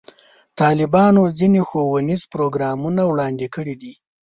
طالبانو ځینې ښوونیز پروګرامونه وړاندې کړي دي.